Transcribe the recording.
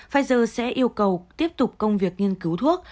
pfizer sẽ yêu cầu tiếp tục công việc nghiên cứu thuốc